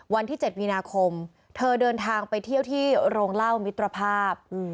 วันที่๗มีนาคมเธอเดินทางไปเที่ยวที่โรงเล่ามิตรภาพ